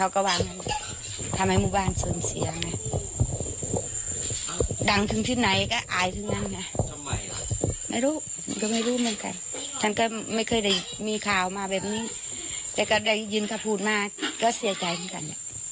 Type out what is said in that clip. ก็ให้เหมือนว่าจะให้ถิวข่าวหรอ